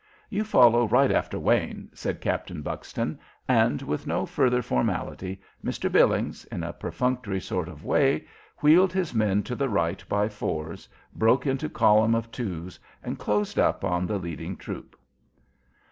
"You follow right after Wayne," said Captain Buxton; and with no further formality Mr. Billings, in a perfunctory sort of way, wheeled his men to the right by fours, broke into column of twos, and closed up on the leading troop.